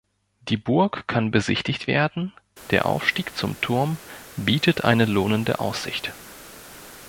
Die Burg kann besichtigt werden, der Aufstieg zum Turm bietet eine lohnende Aussicht.